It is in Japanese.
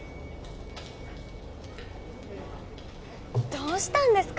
どうしたんですか？